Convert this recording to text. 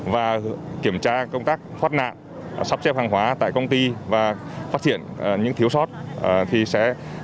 và kiểm tra công tác thoát nạn sắp xếp hàng hóa tại công ty và phát hiện những thiếu sót thì sẽ